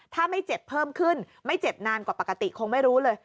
ถ้าไม่เจ็บเพิ่มขึ้นไม่เจ็บนานกว่าปกติคงไม่รู้เลย